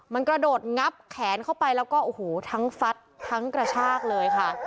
มันกระโดดงับแขนเข้าไปแล้วก็โอ้โหทั้งฟัดทั้งกระชากเลยค่ะ